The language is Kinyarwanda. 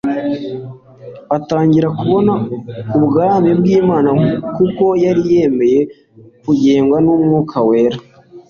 Atangira kubona ubwami bw'Imana kuko yari yemeye kugengwa n'Umwuka Wera.